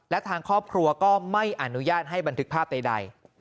และทางครอบครัวก็ไม่อนุญาตให้บันทึกภาพใด